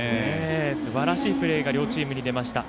すばらしいプレーが両チームに出ました。